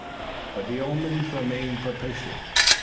But the omens remained propitious.